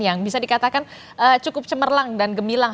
yang bisa dikatakan cukup cemerlang dan gemilang